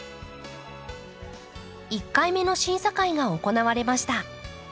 １回目の審査会が行われました。